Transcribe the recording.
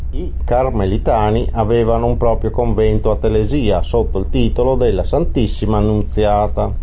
I carmelitani avevano un proprio convento a Telesia, sotto il titolo della Santissima Annunziata.